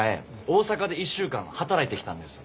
大阪で１週間働いてきたんです。